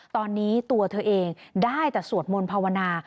ตอนนี้ตัวเธอเองได้แต่สวดมนต์ภาวนา